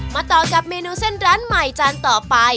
ต่อกับเมนูเส้นร้านใหม่จานต่อไป